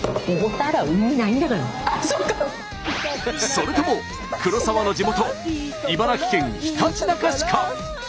それとも黒沢の地元茨城県ひたちなか市か？